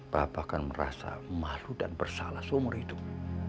bapak kan merasa malu dan bersalah seumur hidup